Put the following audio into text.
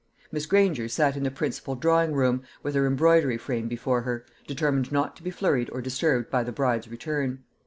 Miss Granger sat in the principal drawing room, with her embroidery frame before her, determined not to be flurried or disturbed by the bride's return.